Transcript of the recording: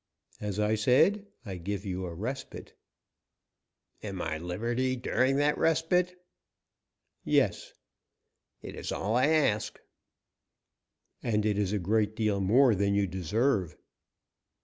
As I said, I give you a respite." "And my liberty during that respite?" "Yes." "It is all I ask." "And it is a great deal more than you deserve."